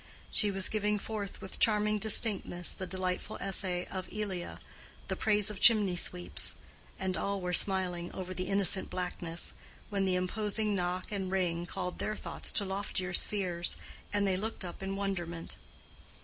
She was giving forth with charming distinctness the delightful Essay of Elia, "The Praise of Chimney Sweeps," and all were smiling over the "innocent blackness," when the imposing knock and ring called their thoughts to loftier spheres, and they looked up in wonderment.